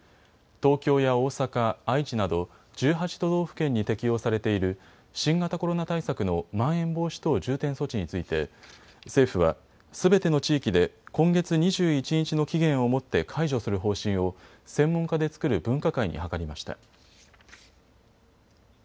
東京や大阪、愛知など１８都道府県に適用されている新型コロナ対策のまん延防止等重点措置について政府は、すべての地域で今月２１日の期限をもって解除する方針を専門家で作る分科会に諮りました。